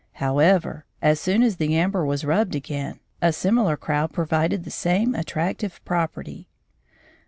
However, as soon as the amber was rubbed again, a similar crowd provided the same attractive property.